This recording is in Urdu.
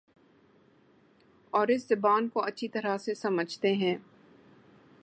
اور اس زبان کو اچھی طرح سے سمجھتے ہیں